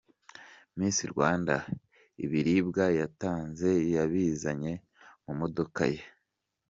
Miss Rwanda, ibiribwa yatanze yabizanye mu modoka ye.